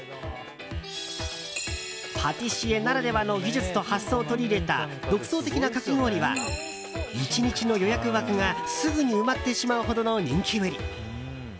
パティシエならではの技術と発想を取り入れた独創的なかき氷は１日の予約枠が、すぐに埋まってしまうほどの人気ぶり。